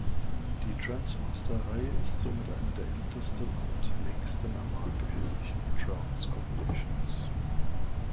Die Trancemaster-Reihe ist somit eine der ältesten und längsten am Markt erhältlichen Trance-Compilations.